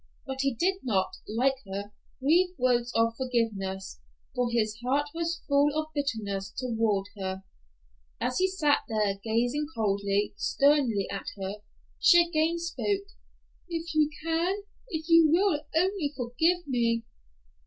But he did not, like her, breathe words of forgiveness, for his heart was full of bitterness toward her. As he sat there, gazing coldly, sternly at her, she again spoke, "If you can, if you will only forgive me."